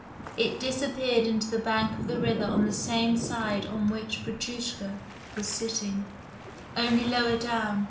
It disappeared into the bank of the river on the same side on which Petrushka was sitting, only lower down.